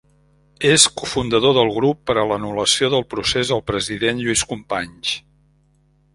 És cofundador del Grup per a l'Anul·lació del Procés al President Lluís Companys.